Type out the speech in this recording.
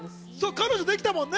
彼女できたもんね。